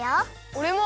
おれも！